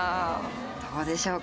どうでしょうか？